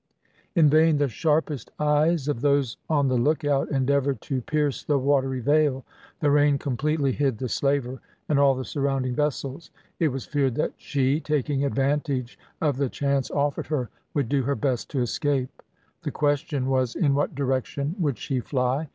In vain the sharpest eyes of those on the lookout endeavoured to pierce the watery veil. The rain completely hid the slaver and all the surrounding vessels. It was feared that she, taking advantage of the chance offered her, would do her best to escape. The question was, in what direction would she fly?